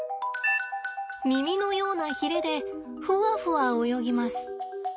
耳のようなヒレでふわふわ泳ぎます。